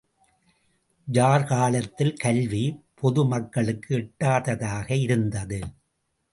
Jar காலத்தில் கல்வி பொது மக்களுக்கு எட்டாததாக இருந்தது.